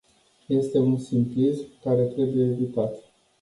Este un simplism care trebuie evitat.